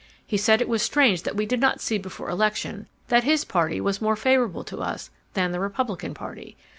He said it was strange that we did not see before election that his party was more favorable to us than the Republican party.